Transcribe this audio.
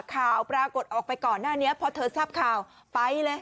ข่าวปรากฏออกไปก่อนหน้านี้เพราะเธอทรัพย์ข่าวไปเลย